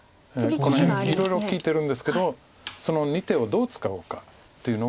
この辺いろいろ利いてるんですけどその２手をどう使おうかというのが。